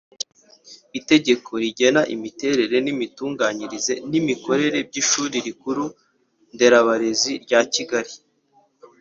Itegeko rigena imiterere imitunganyirize n imikorere by ishuri rikuru nderabarezi rya kigali